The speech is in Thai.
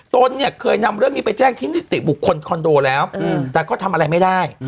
ตนเนี่ยเคยนำเรื่องนี้ไปแจ้งที่นิติบุคคลคอนโดแล้วแต่ก็ทำอะไรไม่ได้